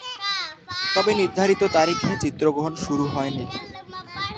তবে নির্ধারিত তারিখে চিত্রগ্রহণ শুরু হয়নি।